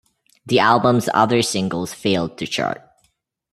The album's other singles failed to chart.